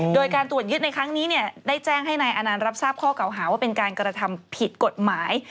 โดยการตรวจยึดในครั้งนี้ได้แจ้งให้นายอานันต์รับทราบข้อเก่าหาว่าเป็นการกระทำผิดกฎหมาย